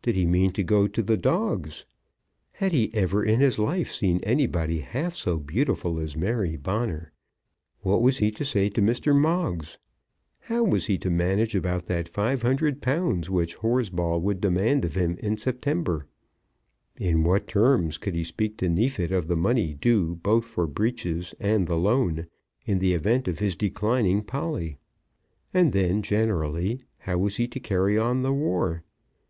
Did he mean to go to the dogs? Had he ever in his life seen anybody half so beautiful as Mary Bonner? What was he to say to Mr. Moggs? How was he to manage about that £500 which Horsball would demand of him in September? In what terms could he speak to Neefit of the money due both for breeches and the loan, in the event of his declining Polly? And then, generally, how was he to carry on the war?